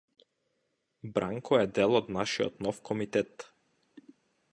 Бранко е дел од нашиот нов комитет.